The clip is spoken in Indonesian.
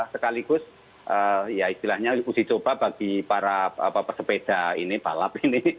sekaligus ya istilahnya uji coba bagi para pesepeda ini balap ini